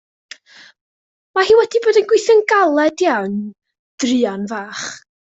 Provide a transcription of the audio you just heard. Ma' hi wedi bod yn gweithio'n galed iawn druan fach.